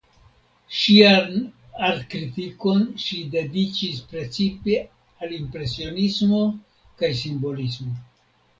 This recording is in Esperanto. Ŝian artkritikon ŝi dediĉis precipe al impresionismo kaj simbolismo.